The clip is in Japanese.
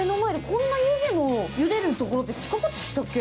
こんな湯気の茹でる所って近くでしたっけ？